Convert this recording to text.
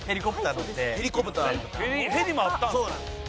ヘリもあったんですか？